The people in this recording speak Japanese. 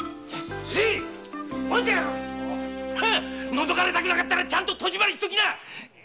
覗かれたくなかったらちゃんと戸締まりしときな！